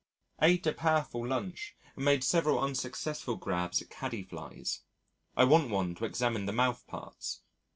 Ate a powerful lunch and made several unsuccessful grabs at Caddie flies. I want one to examine the mouth parts.